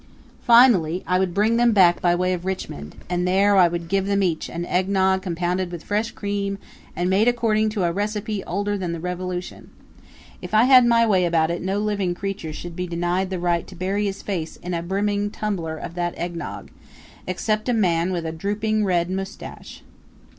Finally I would bring them back by way of Richmond, and there I would give them each an eggnog compounded with fresh cream and made according to a recipe older than the Revolution. If I had my way about it no living creature should be denied the right to bury his face in a brimming tumbler of that eggnog except a man with a drooping red mustache.